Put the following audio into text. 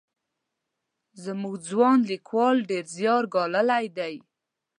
زموږ ځوان لیکوال ډېر زیار ګاللی دی.